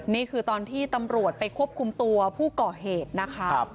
นี่คือตอนที่ตำรวจไปควบคุมตัวผู้ก่อเหตุนะคะ